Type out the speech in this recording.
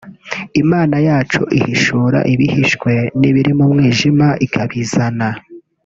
“Imana yacu ihishura ibihishwe n’ibiri mu mwijima ikabizana